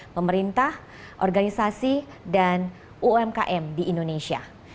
pemerintah organisasi dan umkm di indonesia